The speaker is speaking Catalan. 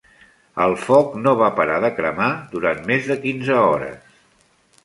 El foc no va parar de cremar durant més de quinze hores.